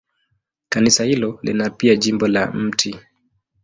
Kanisa hilo lina pia jimbo la Mt.